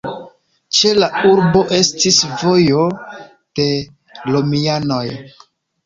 Ĉe la urbo estis vojo de romianoj.